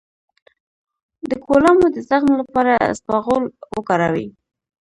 د کولمو د زخم لپاره اسپغول وکاروئ